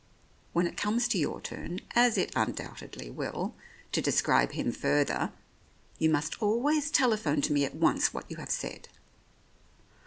When it comes to your turn, as it undoubtedly will, to describe him further, you must always telephone to me at once what you have said.